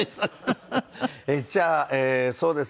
えっじゃあそうですね。